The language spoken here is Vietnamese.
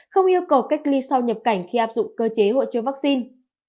không yêu cầu cách ly sau nhập cảnh khi áp dụng cơ chế hộ chiếu vaccine